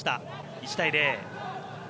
１対０。